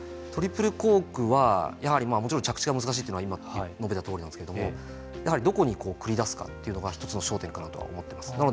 トリプルコークはやはりもちろん着地が難しいというのは今述べたとおりなんですけれどもやはりどこに繰り出すかというのが一つの焦点かなとは思ってます。